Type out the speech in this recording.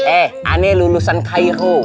eh aneh lulusan kairu